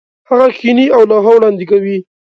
هغه کښېني او لوحه وړاندې کوي.